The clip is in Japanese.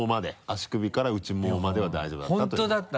足首から内ももまでは大丈夫だったということ。